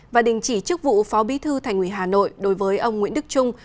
và đình chỉ chức vụ phó bí thư thành ủy hà nội đối với ông nguyễn đức trung